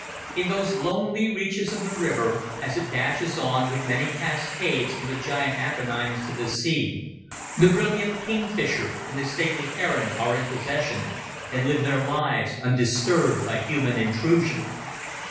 In those lonely reaches of the river as it dashes on with many cascades from the giant Apennines to the sea, the brilliant kingfisher and the stately heron are in possession, and live their lives undisturbed by human intrusion.